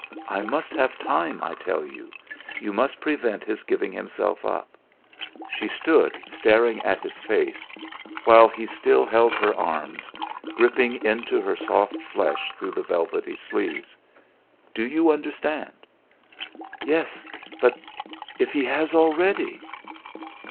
I must have time, I tell you. You must prevent his giving himself up." She stood, staring in his face, while he still held her arms, gripping into her soft flesh through the velvety sleeves. "Do you understand?" "Yes but if he has already!"